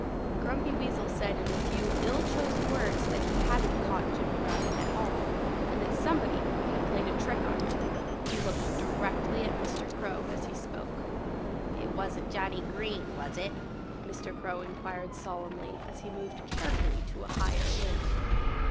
Grumpy Weasel said in a few ill chosen words that he hadn't caught Jimmy Rabbit at all, and that somebody had played a trick on him. He looked directly at Mr. Crow as he spoke. "It wasn't Johnny Green, was it?" Mr. Crow inquired solemnly as he moved carefully to a higher limb.